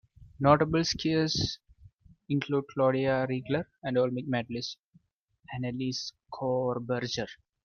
Notable skiers include Claudia Riegler and Olympic medallist Annelise Coberger.